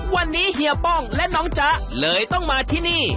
วันนี้เฮียป้องและน้องจ๊ะเลยต้องมาที่นี่